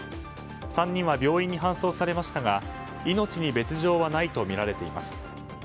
３人は病院に搬送されましたが命に別条はないとみられています。